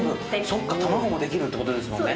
そっか、卵もできるってことですもんね？